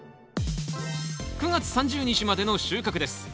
９月３０日までの収穫です。